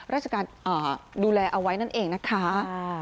ราชการดูแลเอาไว้นั่นเองนะคะ